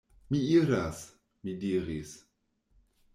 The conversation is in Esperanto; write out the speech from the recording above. Mi iras! mi diris.